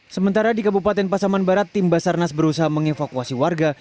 sementara di kabupaten pasaman barat tim basarnas berusaha mengevakuasi warga